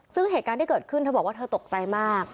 ซึ่งเหตุการณ์ที่เกิดขึ้นเธอบอกว่าเธอตกใจมาก